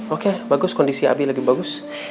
oke bagus kondisi abi lagi bagus